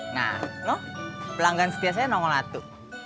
nah lo pelanggan setiasanya nongol atu